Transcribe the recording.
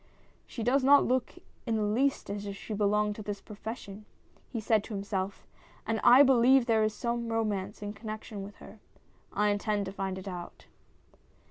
" She does not look in the least as if she belonged to this profession,'' he said to himself, " and I believe there is some romance in connection with her ! I intend to find it out."